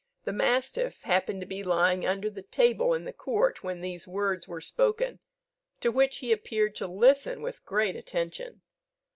The mastiff happened to be lying under the table in the court when these words were spoken, to which he appeared to listen with great attention.